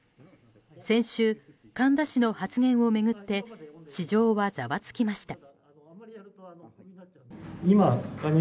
先週、神田氏の発言を巡って市場はざわつきました。